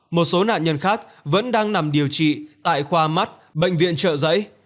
một số nạn nhân khác vẫn đang nằm điều trị tại khoa mắt bệnh viện trợ giấy